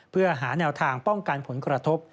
เพื่อหาแนวทางป้องกันผลกระทบ